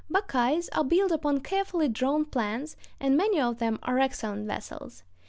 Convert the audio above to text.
To day, however, buckeyes are built upon carefully drawn plans, and many of them are excellent vessels.